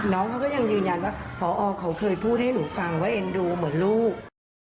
น้องเขาก็ยังยืนยันว่าพอเขาเคยพูดให้หนูฟังว่าเอ็นดูเหมือนลูก